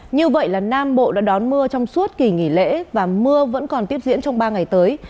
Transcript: như vậy là nam bộ đã đón mưa trong suốt kỳ nghỉ lễ và mưa vẫn còn tiếp diễn trong ba ngày tới